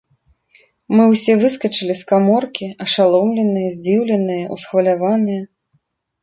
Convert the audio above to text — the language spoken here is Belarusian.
Мы ўсе выскачылі з каморкі, ашаломленыя, здзіўленыя, усхваляваныя.